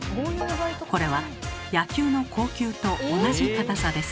これは野球の硬球と同じ硬さです。